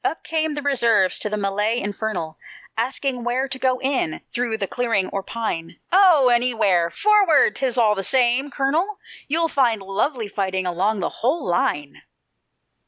Up came the reserves to the mellay infernal, Asking where to go in, through the clearing or pine? "Oh, anywhere! Forward! 'Tis all the same, Colonel: You'll find lovely fighting along the whole line!"